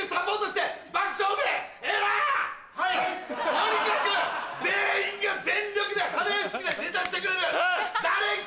とにかく全員が全力で花やしきでネタしてくれる。